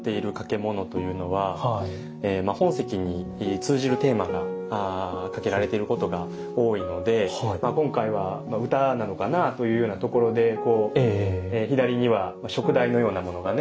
物というのは本席に通じるテーマが掛けられていることが多いので今回は詩なのかなというようなところで左には燭台のようなものがね